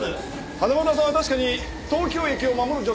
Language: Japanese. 花村さんは確かに東京駅を守る女性です。